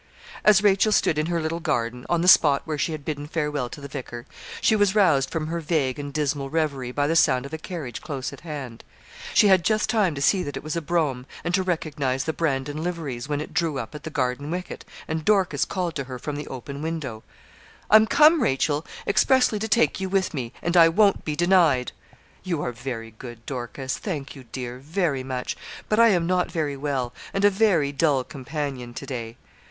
As Rachel stood in her little garden, on the spot where she had bidden farewell to the vicar, she was roused from her vague and dismal reverie by the sound of a carriage close at hand. She had just time to see that it was a brougham, and to recognise the Brandon liveries, when it drew up at the garden wicket, and Dorcas called to her from the open window. 'I'm come, Rachel, expressly to take you with me; and I won't be denied.' 'You are very good, Dorcas; thank you, dear, very much; but I am not very well, and a very dull companion to day.'